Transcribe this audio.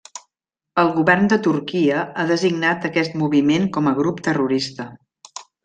El govern de Turquia ha designat aquest moviment com a grup terrorista.